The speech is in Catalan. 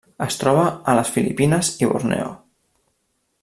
Es troba a les Filipines i Borneo.